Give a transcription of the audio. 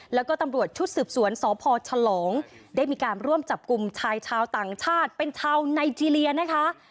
แล้วก็ตำรวจชุดสืบสวนสพฉลองได้มีการร่วมจับกลุ่มชายชาวต่างชาติเป็นชาวไนเจรียนะคะ